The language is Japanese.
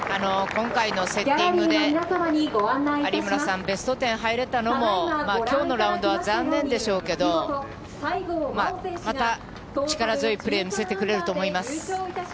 今回のセッティングで、有村さん、ベスト１０入れたのも、きょうのラウンドは残念でしょうけど、また、力強いプレー、見せてくれると思います。